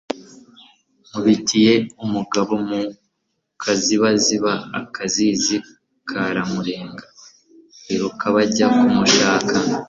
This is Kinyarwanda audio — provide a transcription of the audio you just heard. Nkubitiye umugabo mu kazibaziba, Akazizi karamurenga, biruka bajya ku mushaka,